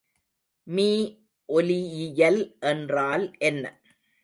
மீஒலியியல் என்றால் என்ன?